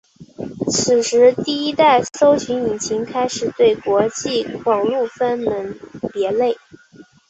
此时第一代搜寻引擎开始对网际网路分门别类。